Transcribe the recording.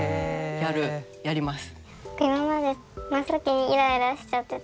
やるやります。